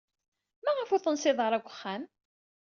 Maɣef ur tensid ara deg uxxam?